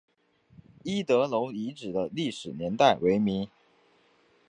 一德楼遗址的历史年代为明。